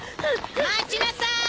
待ちなさい！